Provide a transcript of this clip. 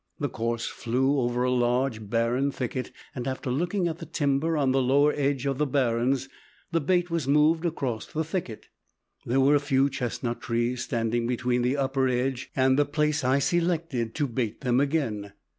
The course flew over a large barren thicket and after looking at the timber on the lower edge of the barrens, the bait was moved across the thicket. There were a few chestnut trees standing between the upper edge and the place I selected to bait them again.